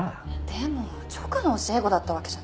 でも直の教え子だったわけじゃないのに。